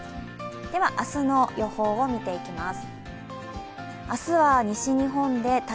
では明日の予報を見ていきます。